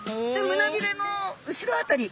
むなびれの後ろ辺り